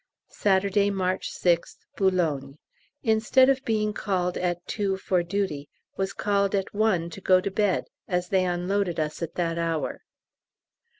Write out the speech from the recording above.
Saturday, March 6th, Boulogne. Instead of being called at 2 for duty, was called at 1 to go to bed, as they unloaded us at that hour.